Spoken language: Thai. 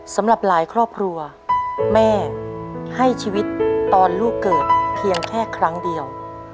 สำหรับหลายครอบครัวแม่ให้ชีวิตตอนลูกเกิดเพียงแค่ครั้งเดียว